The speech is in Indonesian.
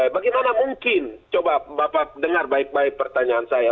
bagaimana mungkin coba bapak dengar baik baik pertanyaan saya